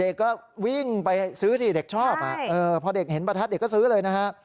เด็กก็วิ่งไปซื้อสิเด็กชอบพอเด็กเห็นประทัดเด็กก็ซื้อเลยนะฮะ